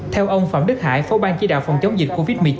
theo ông phạm đức hải phố ban chỉ đạo phòng chống dịch covid một mươi chín